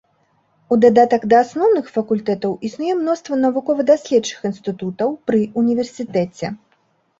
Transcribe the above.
У дадатак да асноўных факультэтаў існуе мноства навукова-даследчых інстытутаў пры ўніверсітэце.